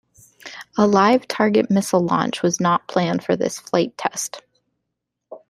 A live target missile launch was not planned for this flight test.